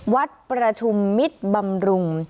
วัดประชุมมิตรบำรุง